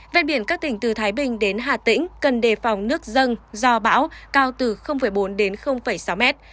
ven biển các tỉnh từ thái bình đến hà tĩnh cần đề phòng nước dân do bão cao từ bốn đến sáu mét